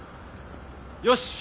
よし！